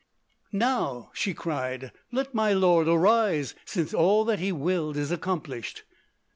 "Now," she cried, "let my lord arise, since all that he willed is accomplished!"